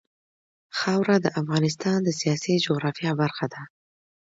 خاوره د افغانستان د سیاسي جغرافیه برخه ده.